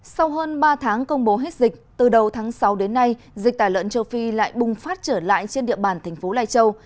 sau hơn ba tháng công bố hết dịch từ đầu tháng sáu đến nay dịch tả lợn châu phi lại bùng phát trở lại trên địa bàn thành phố lai châu